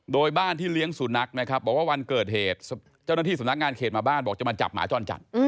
โดยบ้านที่เลี้ยงสุนัขนะครับบอกว่าวันเกิดเหตุเจ้าหน้าที่สำนักงานเขตมาบ้านบอกจะมาจับหมาจรจัด